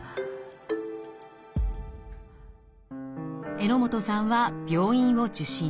榎本さんは病院を受診。